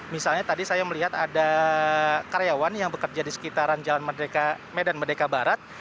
misalnya tadi saya melihat ada karyawan yang bekerja di sekitaran jalan medan merdeka barat